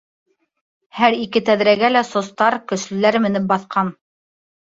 Һәр ике тәҙрәгә лә состар, көслөләр менеп баҫҡан.